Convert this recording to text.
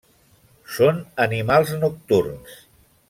Són animals nocturns.